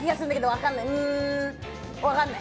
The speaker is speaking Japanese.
わかんない。